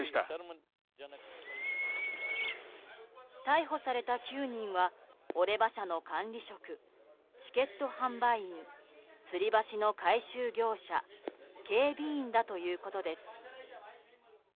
逮捕された９人はオレバ社の管理職チケット販売員つり橋の改修業者警備員だということです。